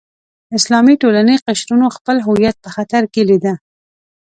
اسلامي ټولنې قشرونو خپل هویت په خطر کې لیده.